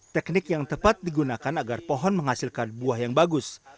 teknik yang tepat digunakan agar pohon menghasilkan buah yang bagus